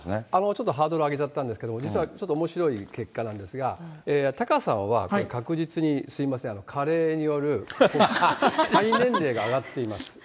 ちょっとハードル上げちゃったんですけど、実はちょっとおもしろい結果なんですが、タカさんは確実にすみません、加齢による肺年齢が上がっています。